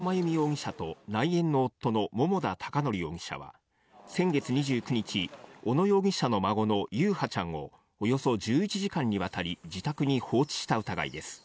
小野真由美容疑者と内縁の夫の桃田貴徳容疑者は先月２９日、小野容疑者の孫の優陽ちゃんを、およそ１１時間にわたり自宅に放置した疑いです。